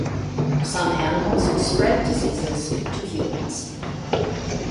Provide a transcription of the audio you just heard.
Some animals spread diseases to humans.